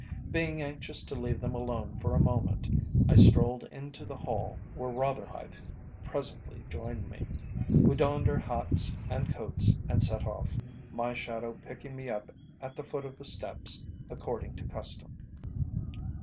Being anxious to leave them alone for a moment, I strolled into the hall, where Rotherhithe presently joined me. We donned our hats and coats and set off, my shadow picking me up at the foot of the steps according to custom.